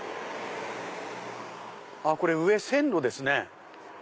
あっこれ上線路ですね。